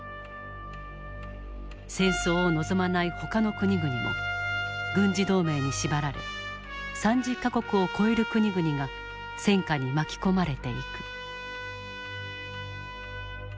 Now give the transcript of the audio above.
戦争を望まないほかの国々も軍事同盟に縛られ３０か国を超える国々が戦火に巻き込まれていく。